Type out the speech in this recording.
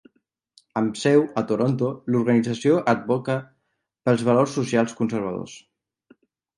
Amb seu a Toronto, l'organització advoca pels valors socials conservadors.